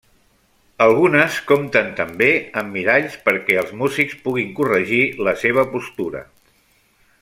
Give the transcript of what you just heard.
Algunes compten també amb miralls perquè els músics puguin corregir la seva postura.